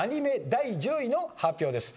第１０位の発表です。